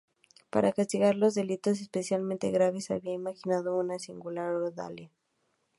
Para castigar los delitos especialmente graves había imaginado una singular ordalía.